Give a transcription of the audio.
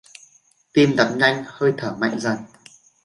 Tim đập nhanh hơi thở mạnh Dần